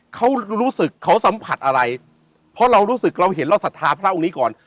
เขารู้สึกเขาสัมผัสอะไรเพราะเรารู้สึกเราเห็นเราศรัทธาพระองค์นี้ก่อน